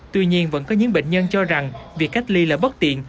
tuy nhiên vẫn có những bệnh nhân cho rằng việc cách ly là bất tiện